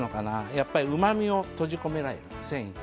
やっぱりうまみを閉じ込めない繊維に。